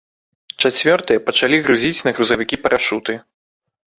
Чацвёртыя пачалі грузіць на грузавікі парашуты.